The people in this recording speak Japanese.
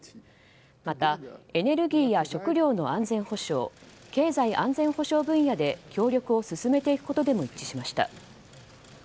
また、エネルギーや食料の安全保障経済安全保障分野で協力を進めていくことでも一致しました。